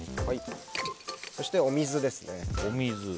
そして、お水です。